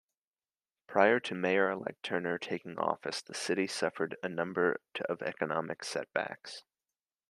Prior to Mayor-Elect Turner taking office, the city suffered a number of economic setbacks.